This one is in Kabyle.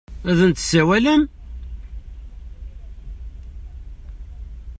Ad n-tsawalem?